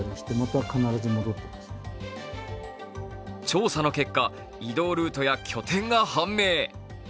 調査の結果、移動ルートや拠点が判明。